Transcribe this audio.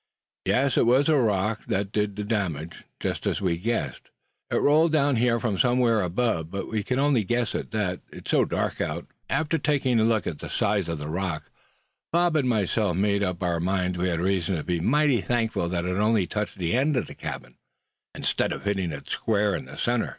Yes, it was a rock that did the damage, just as we guessed. It rolled down from somewhere above; but we could only guess at that, it's so dark out there. And after taking a look at the size of the same, Bob and myself made up our minds we had reason to be mighty thankful that it only touched the end of the cabin, instead of hitting it square in the center."